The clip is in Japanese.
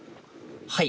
はい。